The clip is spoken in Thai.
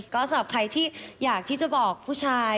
ก็สำหรับใครที่อยากที่จะบอกผู้ชาย